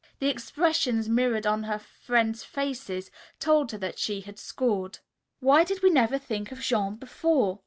The expressions mirrored on her friends' faces told her that she had scored. "Why did we never think of Jean before?"